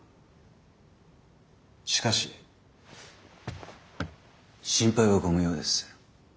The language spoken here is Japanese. しかし心配はご無用です。